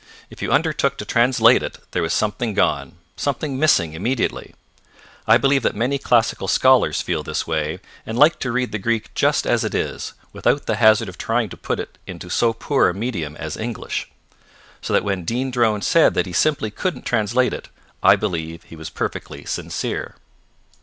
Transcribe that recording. If you undertook to translate it, there was something gone, something missing immediately. I believe that many classical scholars feel this way, and like to read the Greek just as it is, without the hazard of trying to put it into so poor a medium as English. So that when Dean Drone said that he simply couldn't translate it, I believe he was perfectly sincere.